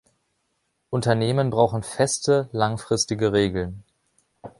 Unternehmen brauchen feste, langfristige Regeln.